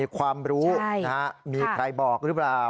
ความรู้มีใครบอกหรือเปล่า